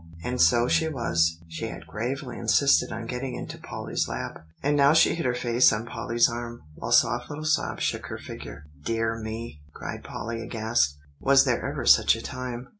And so she was. She had gravely insisted on getting into Polly's lap; and now she hid her face on Polly's arm, while soft little sobs shook her figure. "Dear me!" cried Polly aghast, "was there ever such a time!